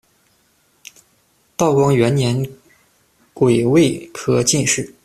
道光元年癸未科进士。